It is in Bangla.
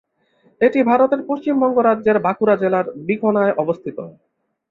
এটি ভারতের পশ্চিমবঙ্গ রাজ্যের বাঁকুড়া জেলার বিকনায় অবস্থিত।